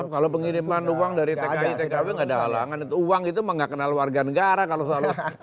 kalau pengiriman uang dari tki tkw tidak ada halangan itu uang itu mengaknal warga negara kalau soalnya